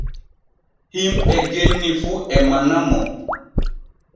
Himɓe genni fu e manamo.